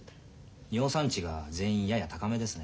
尿酸値が全員やや高めですね。